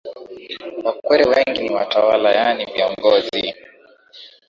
Wakwere wengi ni watawala yaani viongozi